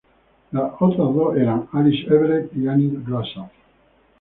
Las otras dos eran Alice Everett y Annie Russell.